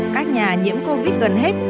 các nhà nhiễm covid gần hết